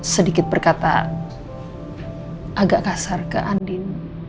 sedikit berkata agak kasar ke andin